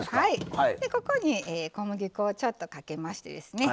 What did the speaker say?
ここに小麦粉をちょっとかけましてですね